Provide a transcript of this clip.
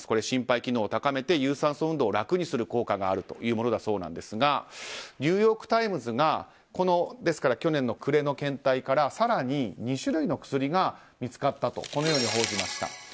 心肺機能を高めて有酸素運動を楽にする効果があるものだそうですがニューヨーク・タイムズが去年の暮れの検体から更に、２種類の薬が見つかったと報じました。